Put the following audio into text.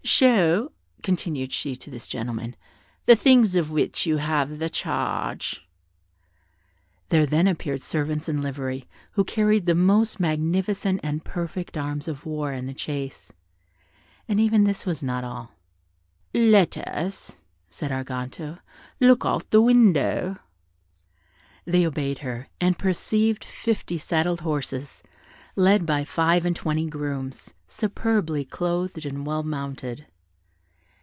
Show," continued she to this gentleman, "the things of which you have the charge." There then appeared servants in livery, who carried the most magnificent and perfect arms for war and the chase. And even this was not all: "Let us," said Arganto, "look out of the window." They obeyed her, and perceived fifty saddle horses, led by five and twenty grooms, superbly clothed and well mounted.